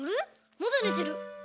まだねてる。